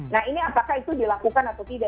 nah ini apakah itu dilakukan atau tidak